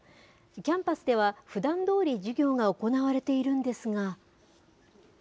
キャンパスでは、ふだんどおり授業が行われているんですが。